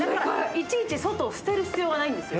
いちいち外、捨てる必要がないんですよ。